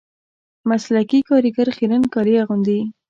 مسلکي کاریګر خیرن کالي اغوندي